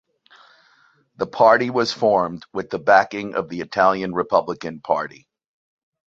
The party was formed with the backing of the Italian Republican Party.